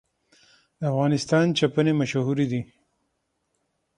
د افغانستان چپنې مشهورې دي